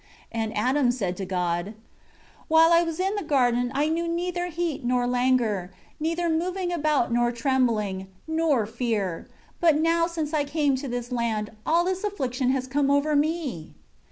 3 And Adam said to God, "While I was in the garden I knew neither heat, nor languor, neither moving about, nor trembling, nor fear; but now since I came to this land, all this affliction has come over me.